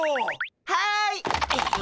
はい！